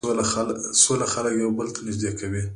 سوله خلک یو بل ته نژدې کوي.